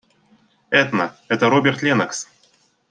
Этна, это Роберт Леннокс.